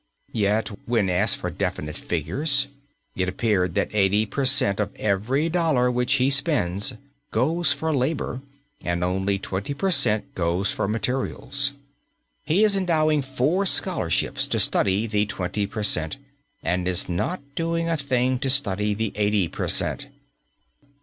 Yet when asked for definite figures, it appeared that eighty per cent. of every dollar which he spends, goes for labour, and only twenty per cent. goes for materials. He is endowing four scholarships to study the twenty per cent. and is not doing a thing to study the eighty per cent.!